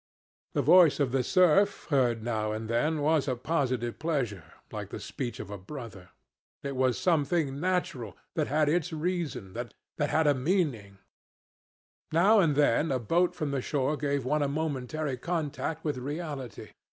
The voice of the surf heard now and then was a positive pleasure, like the speech of a brother. It was something natural, that had its reason, that had a meaning. Now and then a boat from the shore gave one a momentary contact with reality.